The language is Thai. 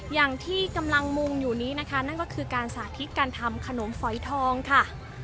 อย่างที่กำลังมุงอยู่นี้นะคะนั่นก็คือการสาธิตการทำขนมฝอยทองค่ะ